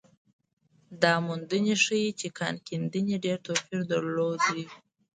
دا موندنې ښيي چې کان کیندنې ډېر توپیر درلود.